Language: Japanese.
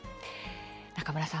中村さん